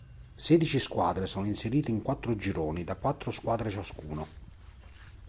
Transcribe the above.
Sedici squadre sono inserite in quattro gironi da quattro squadre ciascuno.